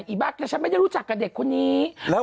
ไอ้บ้าแต่ฉันไม่ได้รู้จักกับเด็กคนนี้